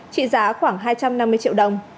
trị giá khoảng hai trăm năm mươi triệu đồng